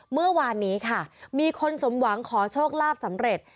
เมื่อวานนี้ค่ะมีคนสมหวังขอโชคลาภสำเร็จ